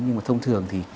nhưng mà thông thường thì